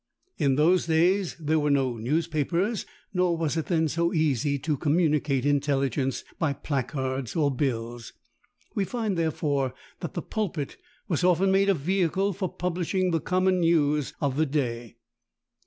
In those days, there were no newspapers: nor was it then so easy to communicate intelligence by placards or bills. We find, therefore, that the pulpit was often made a vehicle for publishing the common news of the day.